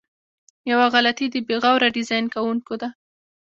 یوه غلطي د بې غوره ډیزاین کوونکو ده.